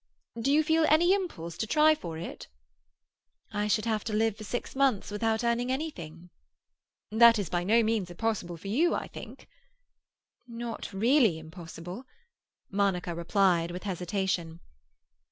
"Do you feel any impulse to try for it?" "I should have to live for six months without earning anything." "That is by no means impossible for you, I think?" "Not really impossible," Monica replied with hesitation.